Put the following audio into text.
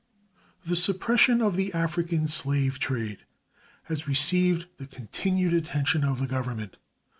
The suppression of the African slave trade has received the continued attention of the Government.